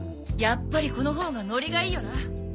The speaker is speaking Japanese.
やっぱりこのほうがノリがいいよな！